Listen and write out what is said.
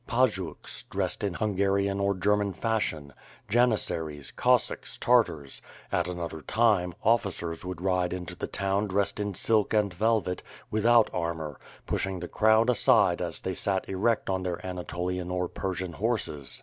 Pajuks, dressed in Hungarian or German fashion, Janissaries, Cos i .cks, Tartars; at another time, officers would ride into the town dressed in silk and velvet, without armor, pushing the crowd aside as they sat erect on their Anatolian or Persian horses.